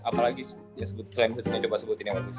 apalagi yang sebut selain tutingnya coba sebutin yang bagus